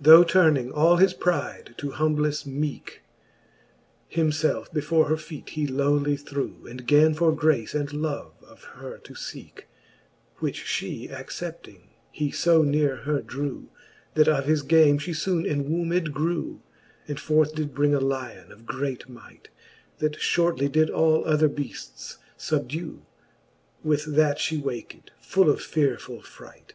XVI. Tho turning all his pride to humblefle meeke, Him felfe before her feete he lowly threw, And gan for grace and love of her to feeke r Which fhe accepting, he fb neare her drew, That of his game fhe ibone enwombed grew, And forth did bring a lion of great might j That fliortly did all other beafts fubdew. With that fhe waked, full of fearefull fright.